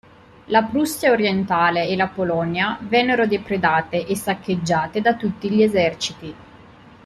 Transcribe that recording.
La Prussia orientale e la Polonia vennero depredate e saccheggiate da tutti gli eserciti.